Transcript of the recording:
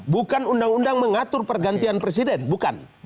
bukan undang undang mengatur pergantian presiden bukan